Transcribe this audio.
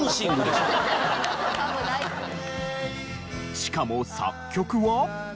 しかも作曲は。